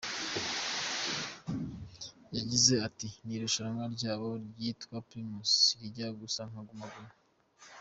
Yagize ati ”Ni irushanwa ryabo ryitwa Primusic rijya gusa nka Guma Guma.